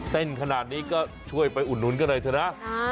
ขนาดนี้ก็ช่วยไปอุดหนุนกันหน่อยเถอะนะ